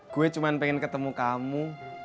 gue cuma pengen ketemu kamu